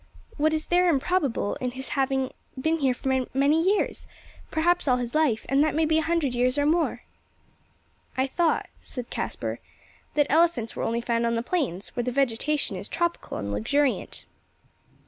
What is there improbable in his having been here many years perhaps all his life, and that may be a hundred years or more?" "I thought," said Caspar, "that elephants were only found on the plains, where the vegetation is tropical and luxuriant."